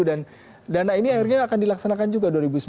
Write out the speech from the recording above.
dan dana ini akhirnya akan dilaksanakan juga dua ribu sembilan belas